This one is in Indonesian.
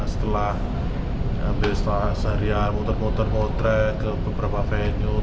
setelah seharian muter muter ke beberapa venue